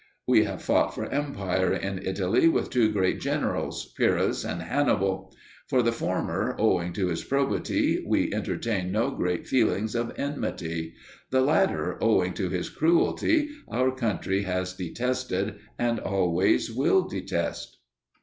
We have fought for empire in Italy with two great generals, Pyrrhus and Hannibal. For the former, owing to his probity, we entertain no great feelings of enmity: the latter, owing to his cruelty, our country has detested and always will detest.